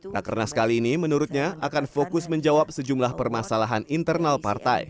rakernas kali ini menurutnya akan fokus menjawab sejumlah permasalahan internal partai